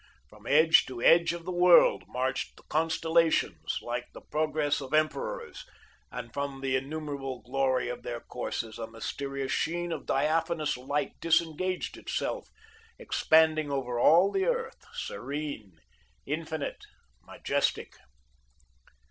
From edge to edge of the world marched the constellations, like the progress of emperors, and from the innumerable glory of their courses a mysterious sheen of diaphanous light disengaged itself, expanding over all the earth, serene, infinite, majestic.